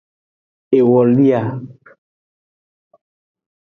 Ewolia.